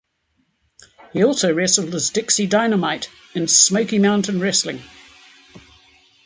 He also wrestled as Dixie Dy-no-mite in Smoky Mountain Wrestling.